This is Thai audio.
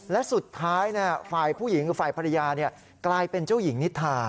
และสุดท้ายฝ่ายผู้หญิงหรือฝ่ายภรรยากลายเป็นเจ้าหญิงนิทา